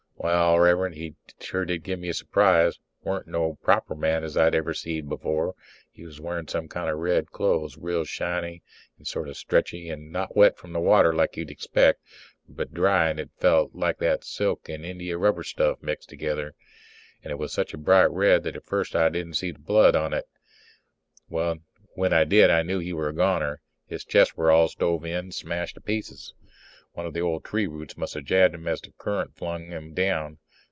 Wal, Rev'rend, he sure did give me a surprise weren't no proper man I'd ever seed before. He was wearing some kind of red clothes, real shiny and sort of stretchy and not wet from the water, like you'd expect, but dry and it felt like that silk and India rubber stuff mixed together. And it was such a bright red that at first I didn't see the blood on it. When I did I knew he were a goner. His chest were all stove in, smashed to pieces. One of the old tree roots must have jabbed him as the current flung him down.